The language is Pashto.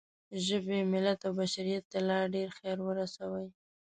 ژبې، ملت او بشریت ته لا ډېر خیر ورسوئ.